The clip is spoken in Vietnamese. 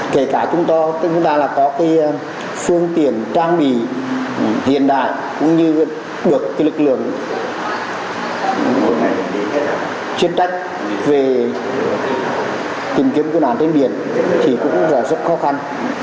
kể cả chúng ta có phương tiện trang bị hiện đại cũng như được lực lượng chuyên tách về tìm kiếm cư nàn trên biển thì cũng rất là khó khăn